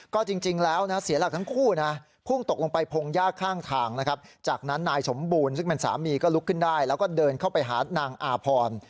ก็จริงแล้วนะเสียหลักทั้งคู่นะพุ่งตกลงไปพงยากข้างทางนะครับจากนั้นนายสมบูรณ์ซึ่งเป็นสามีก็ลุกขึ้นได้แล้วก็เดินเข้าไปหานางอาพร